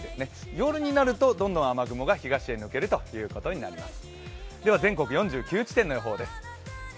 夜になると、どんどん雨雲が東に抜けるということになります。